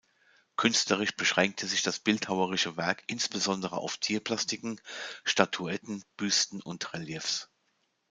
Künstlerisch beschränkte sich das bildhauerische Werk insbesondere auf Tierplastiken, Statuetten, Büsten und Reliefs.